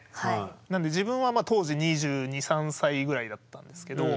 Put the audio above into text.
なので自分は当時２２２３歳ぐらいだったんですけど。